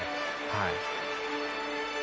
はい。